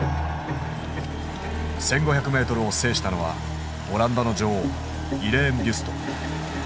１，５００ｍを制したのはオランダの女王イレーン・ビュスト。